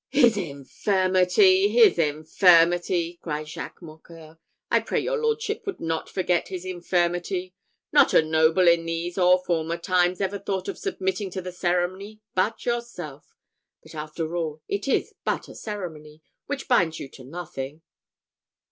"His infirmity! his infirmity!" cried Jacques Mocqueur. "I pray your lordship would not forget his infirmity! Not a noble in these or former times ever thought of submitting to the ceremony but yourself; but after all, it is but a ceremony, which binds you to nothing."